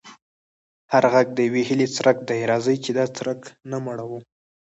هر غږ د یوې هیلې څرک دی، راځه چې دا څرک نه مړوو.